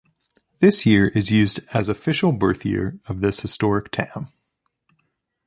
This year is used as official birth year of this historic town.